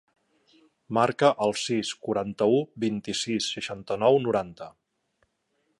Marca el sis, quaranta-u, vint-i-sis, seixanta-nou, noranta.